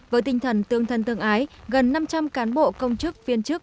với tinh thần tương thân tương ái gần năm trăm linh cán bộ công chức viên chức